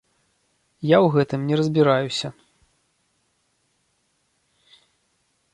Я ў гэтым не разбіраюся.